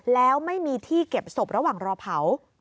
แล้วไม่มีที่เก็บศพระหว่างรอเผา